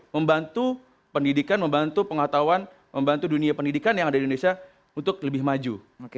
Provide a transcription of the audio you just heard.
membantu pendidikan membantu pengetahuan membantu dunia pendidikan yang ada di indonesia untuk lebih maju